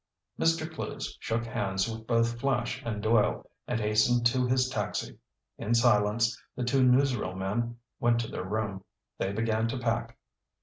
Mr. Clewes shook hands with both Flash and Doyle, and hastened to his taxi. In silence, the two newsreel men went to their room. They began to pack.